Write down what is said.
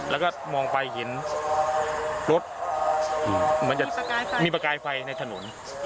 แล้วก็มองไปเมื่อเห็นรถมีประกายไฟในถนน